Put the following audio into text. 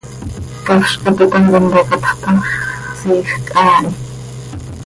Ccafz cap it hant impoocatx ta x, siijc haa hi.